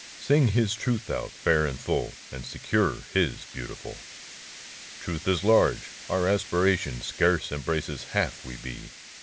Sing His Truth out fair and full, And secure His beautiful. Truth is large. Our aspiration Scarce embraces half we be.